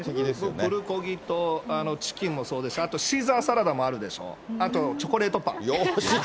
僕もプルコギとチキンもそうですし、あとシーザーサラダもあるでしょ、あとチョコレートパン。